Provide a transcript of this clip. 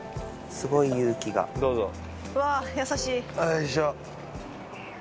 よいしょ。